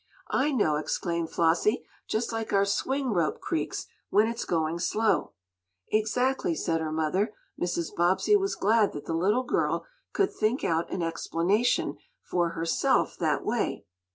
"I know!" exclaimed Flossie. "Just like our swing rope creaks, when it's going slow." "Exactly," said her mother. Mrs. Bobbsey was glad that the little girl could think out an explanation for herself that way.